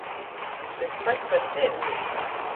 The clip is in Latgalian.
Tys – pats par sevi!